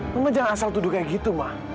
mama jangan asal tuduh seperti itu ma